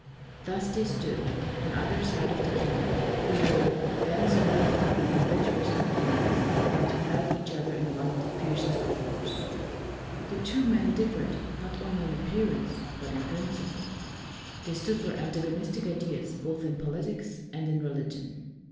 Thus they stood, on either side of the king, who were thenceforth to be the bitterest of enemies, and to fight each other in one of the fiercest of wars. The two men differed, not only in ap pearance, but in principle. They stood 170 WILLIAM THE SILENT for antagonistic ideas both in politics and in religion.